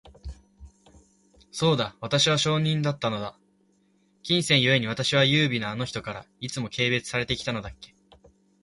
そうだ、私は商人だったのだ。金銭ゆえに、私は優美なあの人から、いつも軽蔑されて来たのだっけ。